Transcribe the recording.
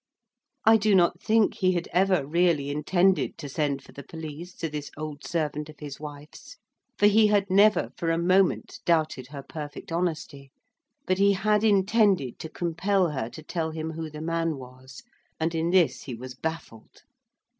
I do not think he had ever really intended to send for the police to this old servant of his wife's; for he had never for a moment doubted her perfect honesty. But he had intended to compel her to tell him who the man was, and in this he was baffled.